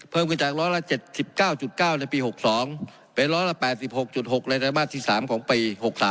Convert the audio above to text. เพิ่มขึ้นจากร้อนละ๗๙๙ในปี๖๒เป็นร้อนละ๘๖๖ในปี๖๓